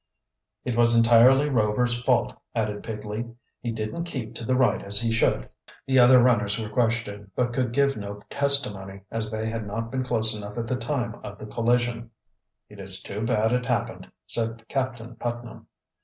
"It was entirely Rover's fault," added Pigley. "He didn't keep to the right as he should." The other runners were questioned, but could give no testimony, as they had not been close enough at the time of the collision. "It is too bad it happened," said Captain Putnam.